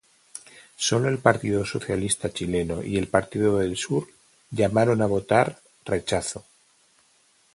Sólo el Partido Socialista Chileno y el Partido del Sur llamaron a votar "Rechazo".